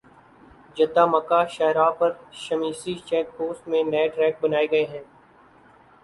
Jeddah Makkah شاہراہ پر Shumaisi check post میں نئے ٹریک بنائے گئے ہیں